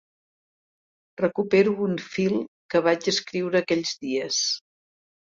Recupero un fil que vaig escriure aquells dies.